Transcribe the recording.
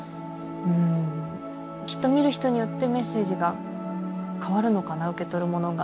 きっと見る人によってメッセージが変わるのかな受け取るものが。